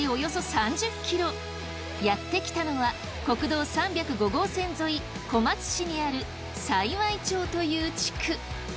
やってきたのは国道３０５号線沿い小松市にある幸町という地区。